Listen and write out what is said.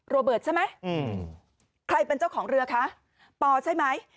โรเบิร์ตใช่ไหมใครเป็นเจ้าของเรือคะปอใช่ไหม